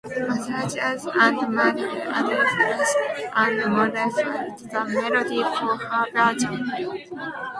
McLachlan and Merenda added lyrics and modified the melody for her version.